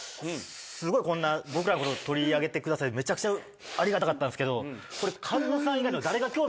すごいこんな僕らのこと取り上げてくださってめちゃくちゃありがたかったんですけど。